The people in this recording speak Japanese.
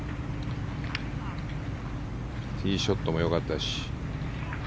ティーショットもよかったし。